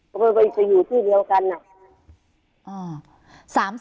เขาไปจะอยู่ที่เดียวกันอะ